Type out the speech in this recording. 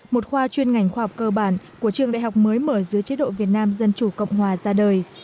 một khoa chuyên ngành khoa học cơ bản của trường đại học mới mở dưới chế độ việt nam dân chủ cộng hòa ra đời